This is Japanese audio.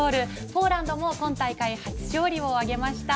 ポーランドも今大会初勝利を挙げました。